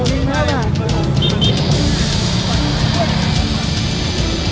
เจอย้างสิ